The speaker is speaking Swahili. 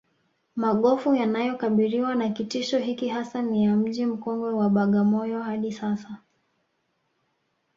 Magofu yanayokabiriwa na kitisho hiki hasa ni ya Mji mkongwe wa Bagamoyo hadi Sasa